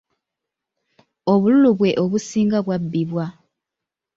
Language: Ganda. Obululu bwe obusinga bwabbibwa.